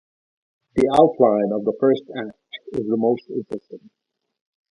The outline of the first Act is the most interesting.